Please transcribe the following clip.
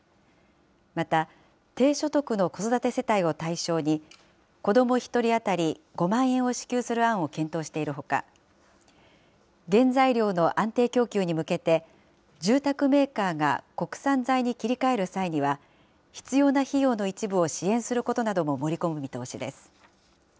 また、低所得の子育て世帯を対象に、子ども１人当たり５万円を支給する案を検討しているほか、原材料の安定供給に向けて、住宅メーカーが国産材に切り替える際には、必要な費用の一部を支援することなども盛り込む見通しです。